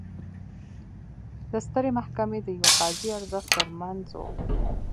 د سترې محکمې د یوه قاضي ارزښت ترمنځ و.